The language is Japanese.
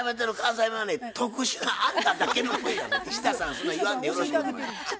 そんなん言わんでよろしい。